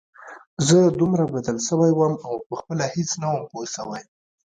زه دومره بدل سوى وم او پخپله هېڅ نه وم پوه سوى.